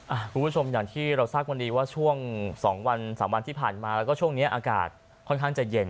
คุณผู้ชมอย่างที่เราทราบวันนี้ว่าช่วงสองวันสามวันที่ผ่านมาแล้วก็ช่วงนี้อากาศค่อนข้างจะเย็น